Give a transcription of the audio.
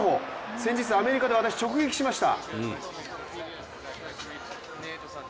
先日、アメリカで私、直撃しました。